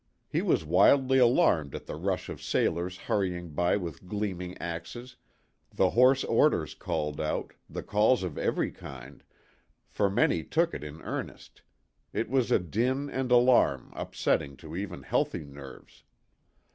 He was wildly alarmed at the rush of sailors hurrying by with gleaming axes, the hoarse orders called out, the calls of every kind for many took it in earnest; it was a clin and alarm upsetting to even healthy nerves.